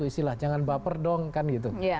istilah jangan baper dong kan gitu